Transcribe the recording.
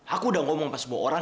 aku udah ngomong pas sebuah orang